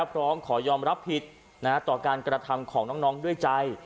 พร้อมขอยอมรับผิดต่อการกระทำของน้องด้วยใจ